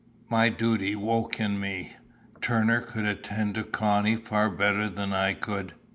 My duty woke in me. Turner could attend to Connie far better than I could.